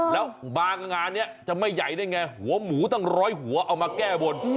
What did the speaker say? แล้วบางงานนี้จะไม่ใหญ่ได้ไงหัวหมูตั้งร้อยหัวเอามาแก้บน